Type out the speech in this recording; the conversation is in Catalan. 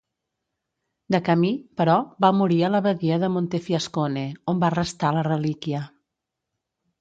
De camí, però, va morir a l'Abadia de Montefiascone, on va restar la relíquia.